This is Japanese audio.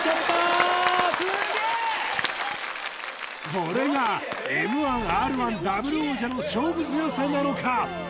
これがＭ−１Ｒ−１ダブル王者の勝負強さなのか？